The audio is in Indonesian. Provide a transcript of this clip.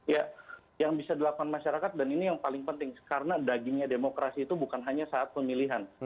ya yang bisa dilakukan masyarakat dan ini yang paling penting karena dagingnya demokrasi itu bukan hanya saat pemilihan